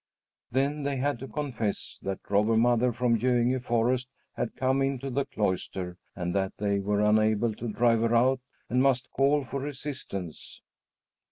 Then they had to confess that Robber Mother from Göinge forest had come into the cloister and that they were unable to drive her out and must call for assistance.